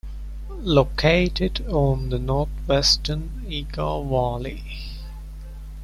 Located on the northwestern Iga Valley.